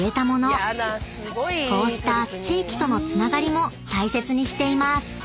［こうした地域とのつながりも大切にしています］